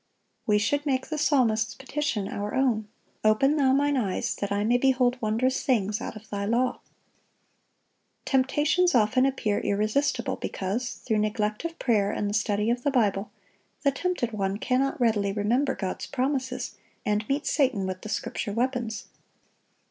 We should make the psalmist's petition our own, "Open Thou mine eyes, that I may behold wondrous things out of Thy law."(1034) Temptations often appear irresistible because, through neglect of prayer and the study of the Bible, the tempted one cannot readily remember God's promises and meet Satan with the Scripture weapons.